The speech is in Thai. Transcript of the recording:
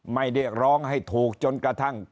เรียกร้องให้ถูกจนกระทั่ง